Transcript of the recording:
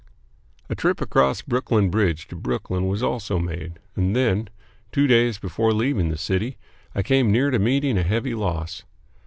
] A trip across Brooklyn Bridge to Brooklyn was also made, and then, two days before leaving the city, I came near to meeting a heavy loss.